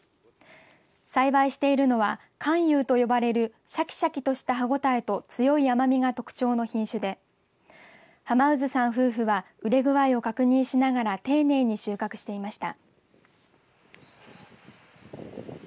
栽培しているのは甘湧と呼ばれるしゃきしゃきとした歯応えと強い甘みが特徴の品種ではま渦さん夫婦は売れ具合を確認しながら丁寧に収穫していました。